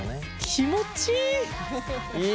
気持ちいい！